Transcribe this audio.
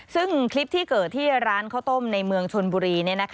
ซึ่งคลิปที่เกิดที่ร้านข้าวต้มในเมืองชนบุรี